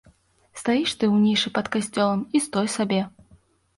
Стаіш ты ў нішы пад касцёлам, і стой сабе.